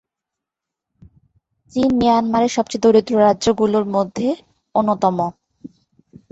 চিন মায়ানমারের সবচেয়ে দরিদ্র রাজ্য গুলোর মধ্যে অন্যতম।